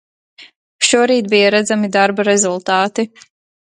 Šorīt bija redzami darba rezultāti.